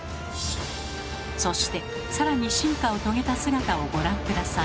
そして更に進化を遂げた姿をご覧下さい。